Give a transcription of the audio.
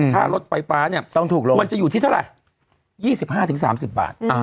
ถ้ารถไฟฟ้าต้องถูกลงมันจะอยู่ที่เท่าไหร่๒๕๓๐บาท